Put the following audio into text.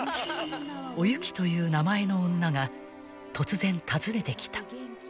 ［おゆきという名前の女が突然訪ねてきた］